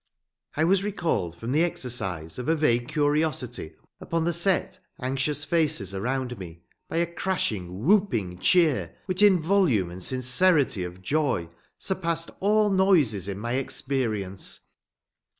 I was recalled from the exercise of a vague curiosity upon the set, anxious faces around me by a crashing, whooping cheer which in volume and sincerity of joy surpassed all noises in my experience.